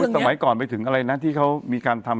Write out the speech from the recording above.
สมัยก่อนไปถึงอะไรนะที่เขามีการทำ